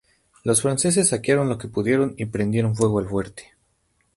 Los franceses saquearon lo que pudieron y prendieron fuego al fuerte.